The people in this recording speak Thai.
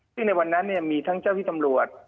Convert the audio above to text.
ซึ่งในวันนั้นมีทั้งเจ้าที่ตำรวจ